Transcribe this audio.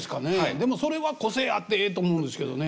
でもそれは個性あってええと思うんですけどね。